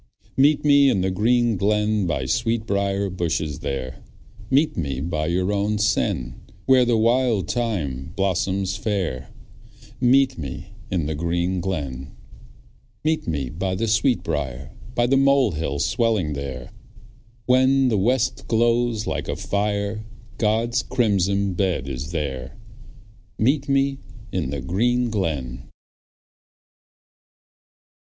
Meet me in the green glen, By sweetbriar bushes there; Meet me by your own sen, Where the wild thyme blossoms fair. Meet me in the green glen. Meet me by the sweetbriar, By the mole hill swelling there; When the west glows like a fire God's crimson bed is there. Meet me in the green glen.